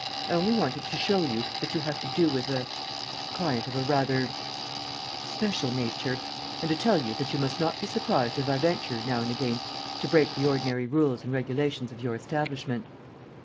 I only wanted to show you that you have to do with a ... client of a rather ... special nature and to tell you that you must not be surprised if I venture, now and again, to break the ordinary rules and regulations of your establishment."